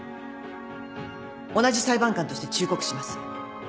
同じ裁判官として忠告します。